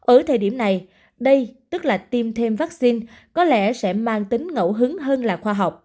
ở thời điểm này đây tức là tiêm thêm vaccine có lẽ sẽ mang tính ngẫu hứng hơn là khoa học